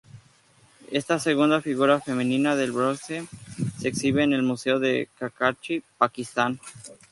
Esta segunda figura femenina de bronce se exhibe en el Museo de Karachi, Pakistán.